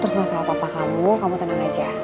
terus masalah papa kamu kamu tenang aja